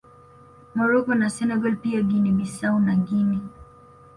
Morocco na Senegal pia Guinea Bissau na Guinea